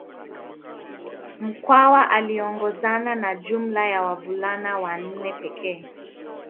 Mkwawa aliongozana na jumla ya wavulana wanne pekee